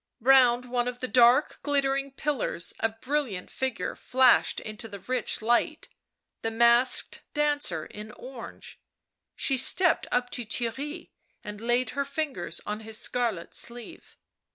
Round one of the dark glittering pillars a brilliant figure flashed into the rich light. The masked dancer in orange. She stepped up to Theirry and laid her fingers on his scarlet sleeve.